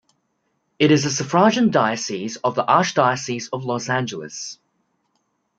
It is a suffragan diocese of the Archdiocese of Los Angeles.